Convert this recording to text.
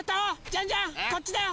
ジャンジャンこっちだよ！